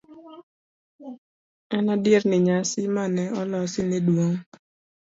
en adier ni nyasi mane olosi ne dwong'